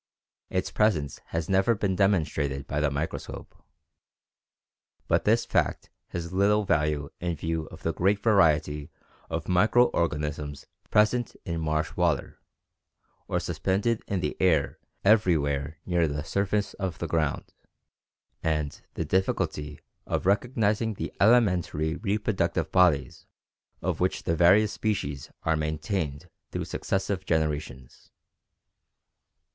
Its presence has never been demonstrated by the microscope; but this fact has little value in view of the great variety of micro organisms present in marsh water or suspended in the air everywhere near the surface of the ground, and the difficulty of recognizing the elementary reproductive bodies by which the various species are maintained through successive generations.